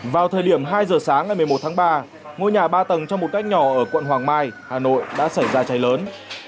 vào thời điểm hai giờ sáng ngày một mươi một tháng ba ngôi nhà ba tầng trong một cách nhỏ ở quận hoàng mai hà nội đã xảy ra cháy lớn